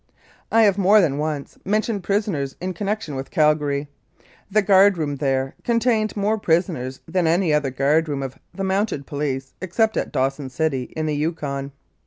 I have more than once mentioned prisoners in connection with Calgary. The guard room there con tained more prisoners than any other guard room of the Mounted Police except at Dawson City in the Yukon.